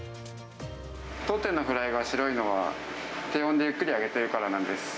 当店のフライが白いのは、低温でゆっくり揚げているからなんです。